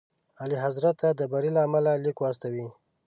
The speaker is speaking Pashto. اعلیحضرت ته د بري له امله لیک واستوئ.